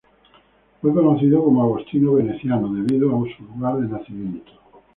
Fue conocido como Agostino Veneziano debido a su lugar de nacimiento.